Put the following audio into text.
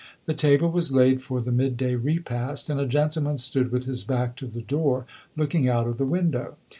The table was laid for the midday repast, and a gentleman stood with his back to the door, looking out of the window.